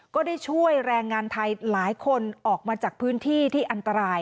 ก็ได้ช่วยแรงงานไทยหลายคนออกมาจากพื้นที่ที่อันตราย